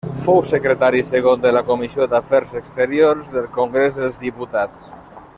Fou Secretari Segon de la Comissió d'Afers Exteriors del Congrés dels Diputats.